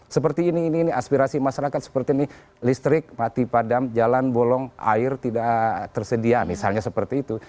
seperti ini ini aspirasi masyarakat seperti ini listrik mati padam jalan bolong air tidak tersedia misalnya seperti itu